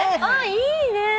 あいいね。